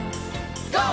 ＧＯ！